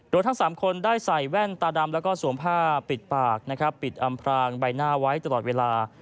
โดยทั้ง๓คนได้ใส่แว่นตาดำแล้วก็สวมผ้าปิดปากนะครับปิดอำพรางใบหน้าไว้ตลอดเวลา